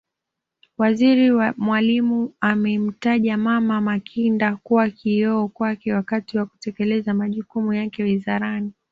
Waziri Mwalimu amemtaja Mama Makinda kuwa kioo kwake wakati wa kutekeleza majukumu yake Wizarani